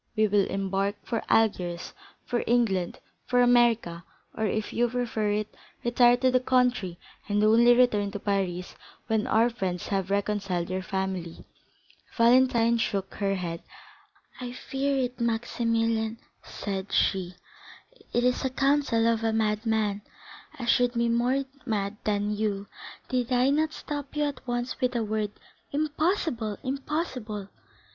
We will embark for Algiers, for England, for America, or, if you prefer it, retire to the country and only return to Paris when our friends have reconciled your family." Valentine shook her head. "I feared it, Maximilian," said she; "it is the counsel of a madman, and I should be more mad than you, did I not stop you at once with the word 'Impossible, Morrel, impossible!